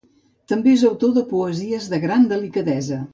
També és autor de poesies de gran delicadesa.